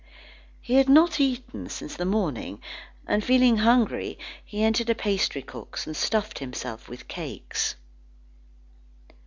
He had not eaten since the morning, and feeling hungry he entered a pastrycook's and stuffed himself with cakes.